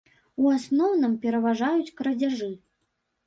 У асноўным пераважаюць крадзяжы.